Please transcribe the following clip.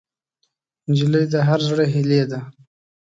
نجلۍ د هر زړه هیلې ده.